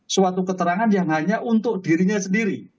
suatu keterangan yang hanya untuk dirinya sendiri